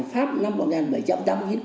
pháp năm một nghìn bảy trăm tám mươi chín